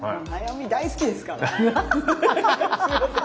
すいません。